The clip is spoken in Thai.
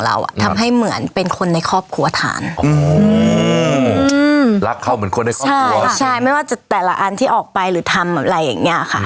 รักเขาเหมือนคนในครอบครัวใช่ค่ะใช่ไม่ว่าจะแต่ละอันที่ออกไปหรือทำอะไรอย่างเงี้ยค่ะ